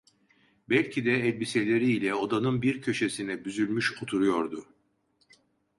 Belki de elbiseleri ile odanın bir köşesine büzülmüş oturuyordu.